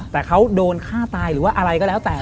แต่เขาโดนฆ่าตายหรือว่าอะไรก็แล้วแต่